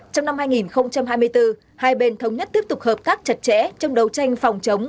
trong năm hai nghìn hai mươi bốn hai bên thống nhất tiếp tục hợp tác chặt chẽ trong đấu tranh phòng chống